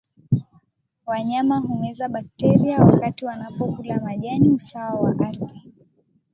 Wanyama humeza bakteria wakati wanapokula majani usawa wa ardhi